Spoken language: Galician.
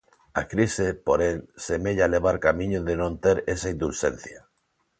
A crise, porén, semella levar camiño de non ter esa 'indulxencia'.